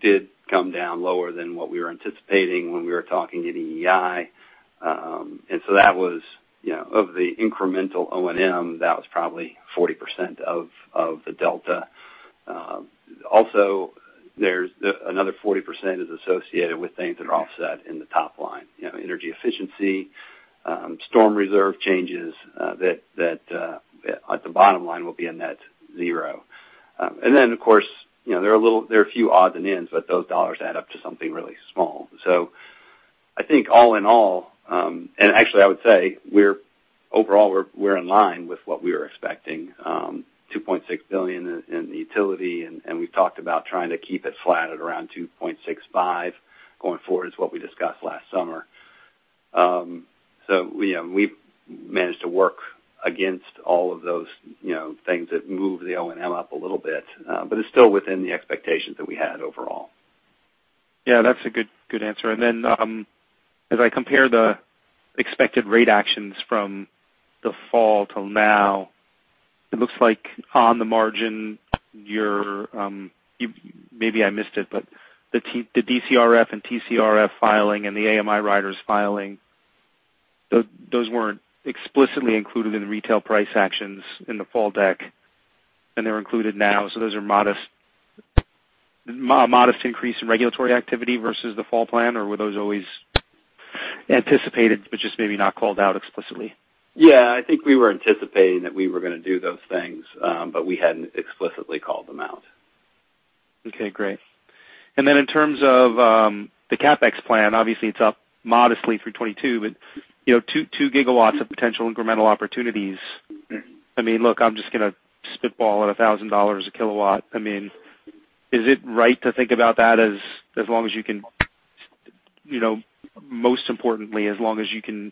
did come down lower than what we were anticipating when we were talking at EEI. Of the incremental O&M, that was probably 40% of the delta. Also, another 40% is associated with things that are offset in the top line. Energy efficiency, storm reserve changes that at the bottom line will be a net zero. Of course, there are a few odds and ends, but those dollars add up to something really small. I think all in all, and actually I would say, overall we're in line with what we were expecting. $2.6 billion in the utility, and we've talked about trying to keep it flat at around $2.65 going forward is what we discussed last summer. We've managed to work against all of those things that move the O&M up a little bit. It's still within the expectations that we had overall. Yeah, that's a good answer. As I compare the expected rate actions from the fall till now, it looks like on the margin, maybe I missed it, but the DCRF and TCRF filing and the AMI riders filing, those weren't explicitly included in the retail price actions in the fall deck, and they're included now. Those are a modest increase in regulatory activity versus the fall plan? Were those always anticipated, but just maybe not called out explicitly? Yeah, I think we were anticipating that we were going to do those things, but we hadn't explicitly called them out. Okay, great. In terms of the CapEx plan, obviously it's up modestly through 2022, two gigawatts of potential incremental opportunities. Look, I'm just going to spitball at $1,000 a kilowatt. Is it right to think about that as long as you can most importantly, as long as you can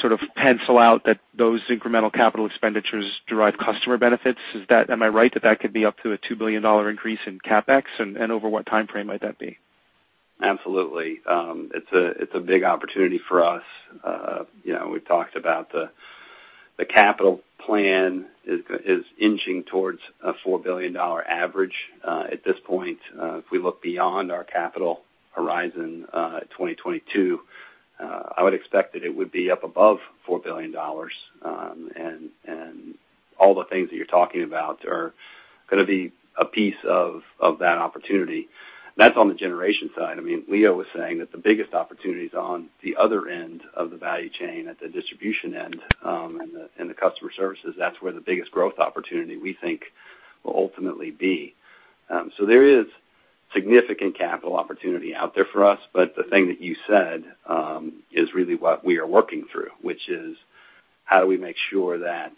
sort of pencil out that those incremental capital expenditures derive customer benefits? Am I right that that could be up to a $2 billion increase in CapEx, and over what timeframe might that be? Absolutely. It's a big opportunity for us. We've talked about the capital plan is inching towards a $4 billion average at this point. If we look beyond our capital horizon at 2022, I would expect that it would be up above $4 billion. All the things that you're talking about are going to be a piece of that opportunity. That's on the generation side. Leo was saying that the biggest opportunity is on the other end of the value chain, at the distribution end, and the customer services. That's where the biggest growth opportunity we think will ultimately be. There is significant capital opportunity out there for us, but the thing that you said is really what we are working through, which is how do we make sure that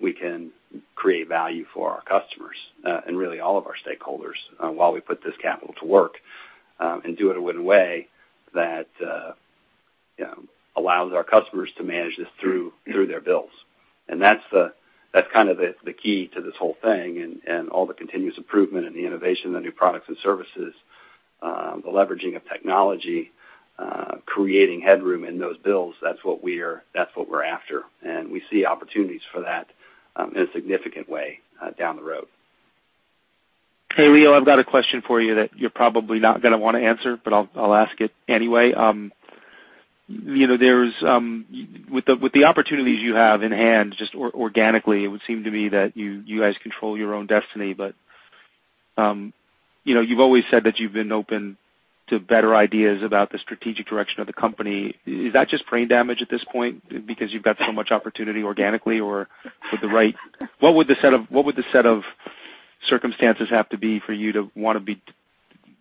we can create value for our customers and really all of our stakeholders while we put this capital to work and do it in a way that allows our customers to manage this through their bills. That's kind of the key to this whole thing and all the continuous improvement and the innovation, the new products and services, the leveraging of technology, creating headroom in those bills. That's what we're after, and we see opportunities for that in a significant way down the road. Hey, Leo, I've got a question for you that you're probably not going to want to answer, but I'll ask it anyway. With the opportunities you have in hand, just organically, it would seem to me that you guys control your own destiny. You've always said that you've been open to better ideas about the strategic direction of the company. Is that just brain damage at this point because you've got so much opportunity organically? What would the set of circumstances have to be for you to want to be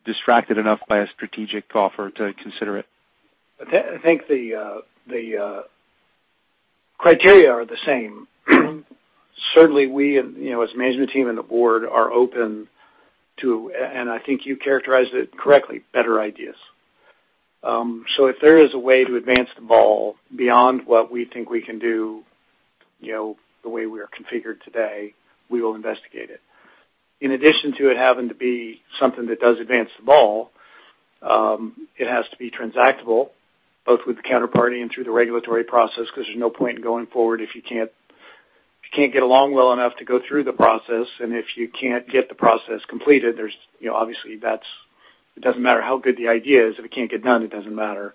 distracted enough by a strategic offer to consider it? I think the criteria are the same. Certainly we, as the management team and the board, are open to, and I think you characterized it correctly, better ideas. If there is a way to advance the ball beyond what we think we can do the way we are configured today, we will investigate it. In addition to it having to be something that does advance the ball, it has to be transactable, both with the counterparty and through the regulatory process, because there's no point in going forward if you can't get along well enough to go through the process. If you can't get the process completed, obviously, it doesn't matter how good the idea is. If it can't get done, it doesn't matter.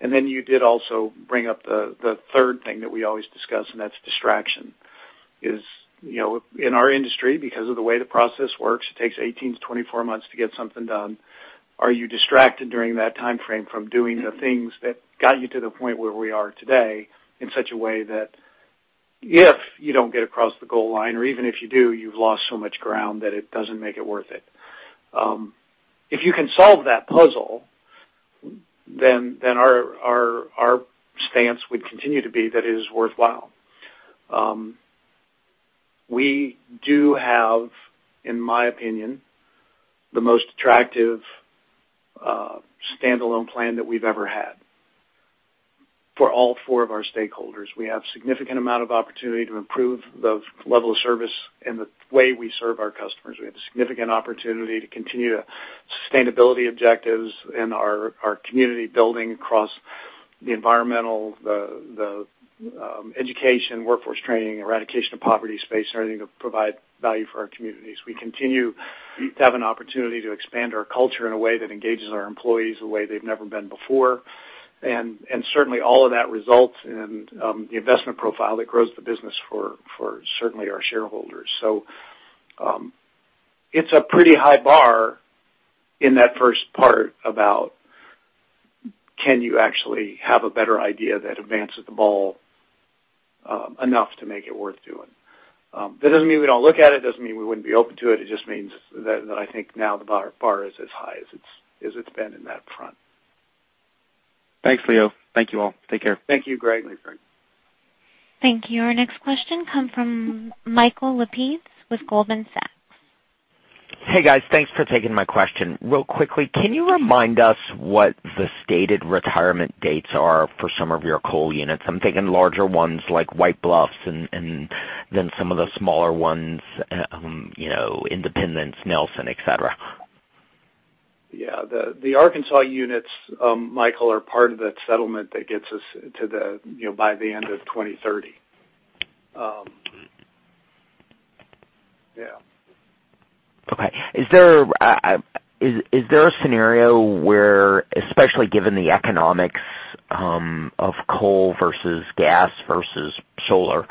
Then you did also bring up the third thing that we always discuss, and that's distraction. In our industry, because of the way the process works, it takes 18 months-24 months to get something done. Are you distracted during that timeframe from doing the things that got you to the point where we are today in such a way that if you don't get across the goal line, or even if you do, you've lost so much ground that it doesn't make it worth it? If you can solve that puzzle, Our stance would continue to be that it is worthwhile. We do have, in my opinion, the most attractive standalone plan that we've ever had for all four of our stakeholders. We have significant amount of opportunity to improve the level of service and the way we serve our customers. We have significant opportunity to continue the sustainability objectives in our community building across the environmental, the education, workforce training, eradication of poverty space, everything to provide value for our communities. We continue to have an opportunity to expand our culture in a way that engages our employees the way they've never been before. Certainly all of that results in the investment profile that grows the business for certainly our shareholders. It's a pretty high bar in that first part about can you actually have a better idea that advances the ball enough to make it worth doing? That doesn't mean we don't look at it, doesn't mean we wouldn't be open to it. It just means that I think now the bar is as high as it's been in that front. Thanks, Leo. Thank you, all. Take care. Thank you, Greg. Thank you. Our next question come from Michael Lapides with Goldman Sachs. Hey, guys. Thanks for taking my question. Real quickly, can you remind us what the stated retirement dates are for some of your coal units? I'm thinking larger ones like White Bluff and then some of the smaller ones, Independence, Nelson, et cetera. Yeah. The Arkansas units, Michael, are part of that settlement that gets us by the end of 2030. Yeah. Okay. Is there a scenario where, especially given the economics of coal versus gas versus solar,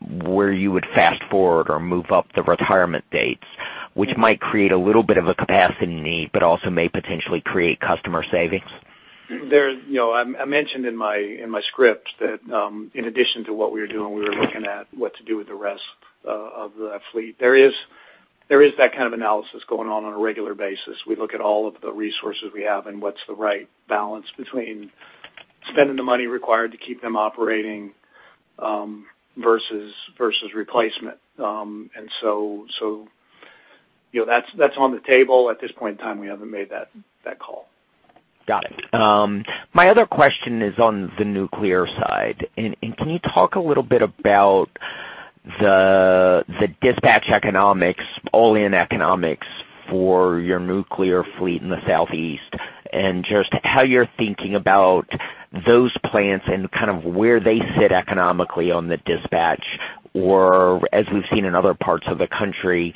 where you would fast-forward or move up the retirement dates, which might create a little bit of a capacity need, but also may potentially create customer savings? I mentioned in my script that, in addition to what we were doing, we were looking at what to do with the rest of the fleet. There is that kind of analysis going on on a regular basis. We look at all of the resources we have and what's the right balance between spending the money required to keep them operating versus replacement. That's on the table. At this point in time, we haven't made that call. Got it. My other question is on the nuclear side. Can you talk a little bit about the dispatch economics, all-in economics for your nuclear fleet in the Southeast, and just how you're thinking about those plants and kind of where they sit economically on the dispatch? As we've seen in other parts of the country,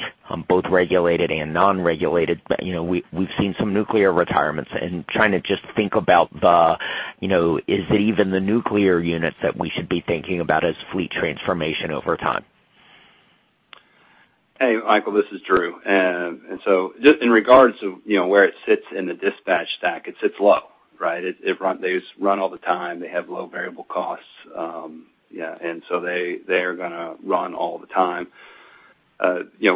both regulated and non-regulated, we've seen some nuclear retirements. Trying to just think about is it even the nuclear units that we should be thinking about as fleet transformation over time? Hey, Michael, this is Drew. Just in regards to where it sits in the dispatch stack, it sits low, right? They just run all the time. They have low variable costs. Yeah. They are going to run all the time.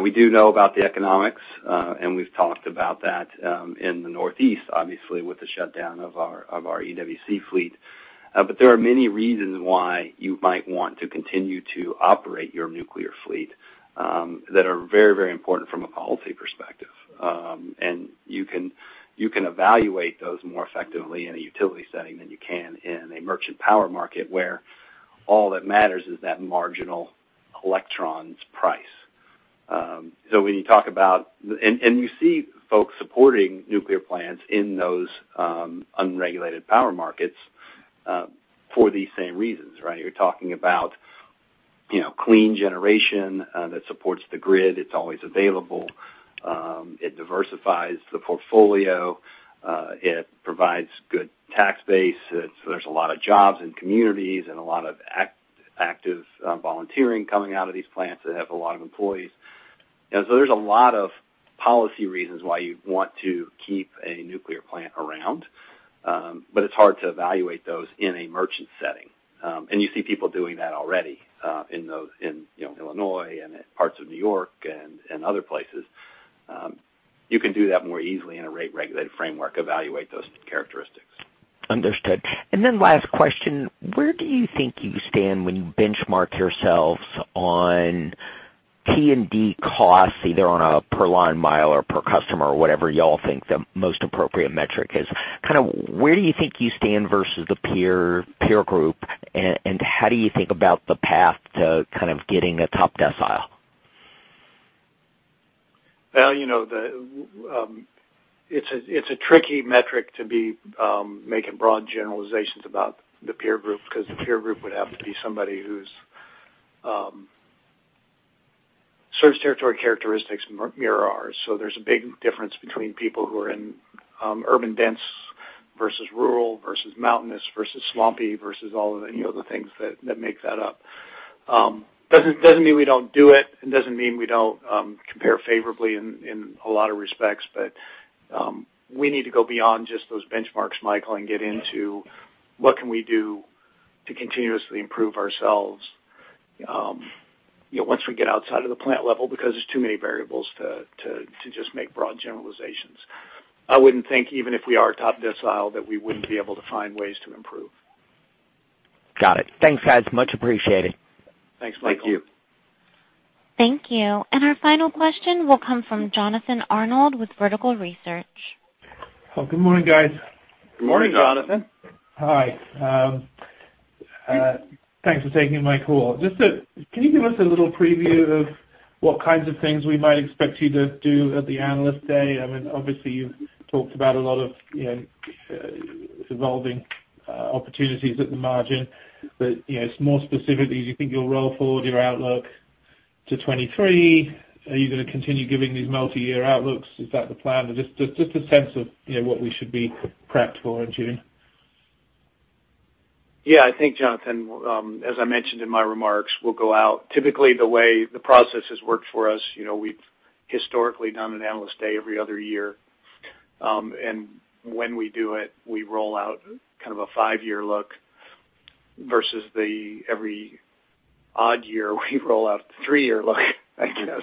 We do know about the economics, and we've talked about that in the Northeast, obviously, with the shutdown of our EWC fleet. There are many reasons why you might want to continue to operate your nuclear fleet that are very important from a policy perspective. You can evaluate those more effectively in a utility setting than you can in a merchant power market where all that matters is that marginal electron's price. You see folks supporting nuclear plants in those unregulated power markets for these same reasons, right? You're talking about clean generation that supports the grid. It's always available. It diversifies the portfolio. It provides good tax base. There's a lot of jobs in communities and a lot of. Active volunteering coming out of these plants that have a lot of employees. There's a lot of policy reasons why you'd want to keep a nuclear plant around, but it's hard to evaluate those in a merchant setting. You see people doing that already in Illinois and in parts of New York and other places. You can do that more easily in a rate-regulated framework, evaluate those characteristics. Understood. Last question, where do you think you stand when you benchmark yourselves on T&D costs, either on a per line mile or per customer or whatever y'all think the most appropriate metric is? Where do you think you stand versus the peer group, and how do you think about the path to kind of getting a top decile? Well, it's a tricky metric to be making broad generalizations about the peer group because the peer group would have to be somebody whose service territory characteristics mirror ours. There's a big difference between people who are in urban dense versus rural versus mountainous versus swampy versus any of the things that make that up. Doesn't mean we don't do it, and doesn't mean we don't compare favorably in a lot of respects, but we need to go beyond just those benchmarks, Michael, and get into what can we do to continuously improve ourselves once we get outside of the plant level because there's too many variables to just make broad generalizations. I wouldn't think even if we are top decile that we wouldn't be able to find ways to improve. Got it. Thanks, guys. Much appreciated. Thanks, Michael. Thank you. Our final question will come from Jonathan Arnold with Vertical Research. Oh, good morning, guys. Good morning, Jonathan. Hi. Thanks for taking my call. Can you give us a little preview of what kinds of things we might expect you to do at the Analyst Day? I mean, obviously, you've talked about a lot of evolving opportunities at the margin. More specifically, do you think you'll roll forward your outlook to 2023? Are you going to continue giving these multi-year outlooks? Is that the plan? Just a sense of what we should be prepped for in June. I think, Jonathan, as I mentioned in my remarks, we'll go out. Typically, the way the process has worked for us, we've historically done an Analyst Day every other year. When we do it, we roll out kind of a five-year look versus the every odd year we roll out the three-year look, I guess.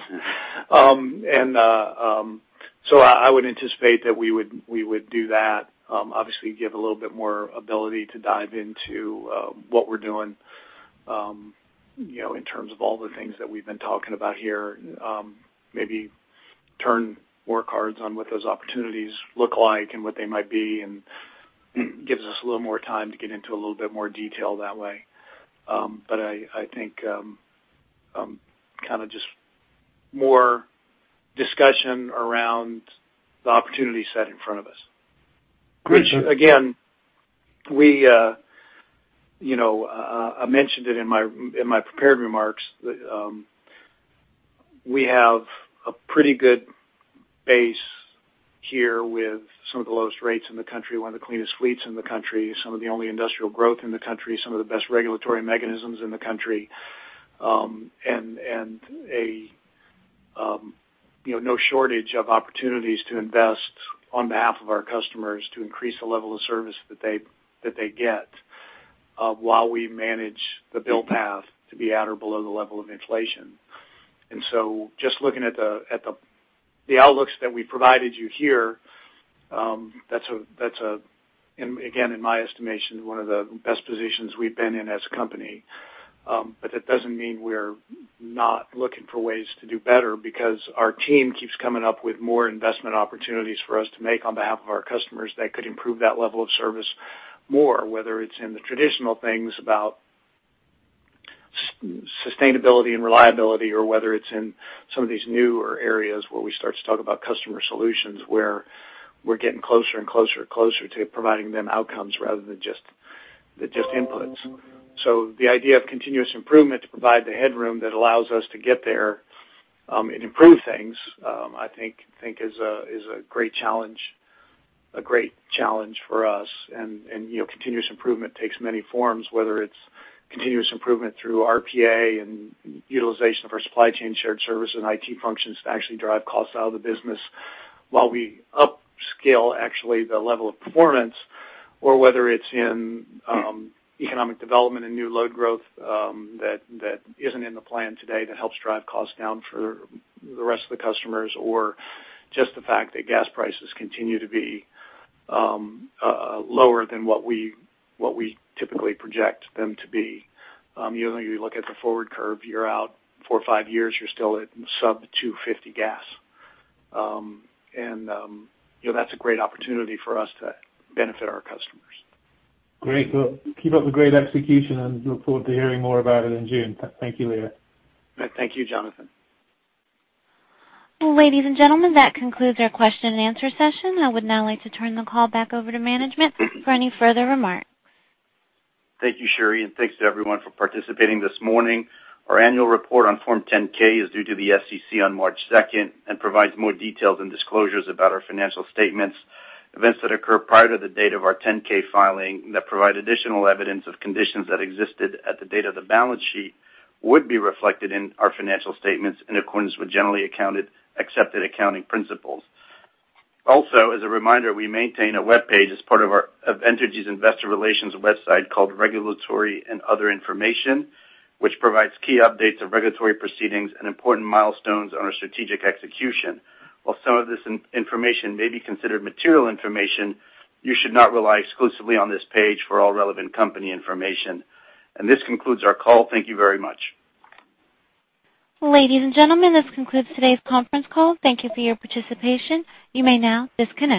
I would anticipate that we would do that. Obviously, give a little bit more ability to dive into what we're doing in terms of all the things that we've been talking about here. Maybe turn more cards on what those opportunities look like and what they might be, and gives us a little more time to get into a little bit more detail that way. I think kind of just more discussion around the opportunity set in front of us. Which, again, I mentioned it in my prepared remarks. We have a pretty good base here with some of the lowest rates in the country, one of the cleanest fleets in the country, some of the only industrial growth in the country, some of the best regulatory mechanisms in the country, and no shortage of opportunities to invest on behalf of our customers to increase the level of service that they get while we manage the bill path to be at or below the level of inflation. Just looking at the outlooks that we provided you here, that's, again, in my estimation, one of the best positions we've been in as a company. That doesn't mean we're not looking for ways to do better because our team keeps coming up with more investment opportunities for us to make on behalf of our customers that could improve that level of service more, whether it's in the traditional things about sustainability and reliability, or whether it's in some of these newer areas where we start to talk about customer solutions, where we're getting closer and closer to providing them outcomes rather than just inputs. The idea of continuous improvement to provide the headroom that allows us to get there and improve things, I think is a great challenge for us. Continuous improvement takes many forms, whether it's continuous improvement through RPA and utilization of our supply chain shared service and IT functions to actually drive costs out of the business while we upscale actually the level of performance, or whether it's in economic development and new load growth that isn't in the plan today that helps drive costs down for the rest of the customers, or just the fact that gas prices continue to be lower than what we typically project them to be. You look at the forward curve, you're out four or five years, you're still at sub $2.50 gas. That's a great opportunity for us to benefit our customers. Great. Well, keep up the great execution and look forward to hearing more about it in June. Thank you, Leo. Thank you, Jonathan. Ladies and gentlemen, that concludes our question and answer session. I would now like to turn the call back over to management for any further remarks. Thank you, Sherry, and thanks to everyone for participating this morning. Our annual report on Form 10-K is due to the SEC on March 2nd and provides more details and disclosures about our financial statements. Events that occur prior to the date of our 10-K filing that provide additional evidence of conditions that existed at the date of the balance sheet would be reflected in our financial statements in accordance with generally accepted accounting principles. As a reminder, we maintain a webpage as part of Entergy's investor relations website called Regulatory and Other Information, which provides key updates of regulatory proceedings and important milestones on our strategic execution. While some of this information may be considered material information, you should not rely exclusively on this page for all relevant company information. This concludes our call. Thank you very much. Ladies and gentlemen, this concludes today's conference call. Thank you for your participation. You may now disconnect.